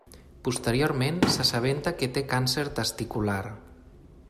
Posteriorment s'assabenta que té càncer testicular.